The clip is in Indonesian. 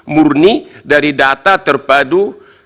murni dari data terpadu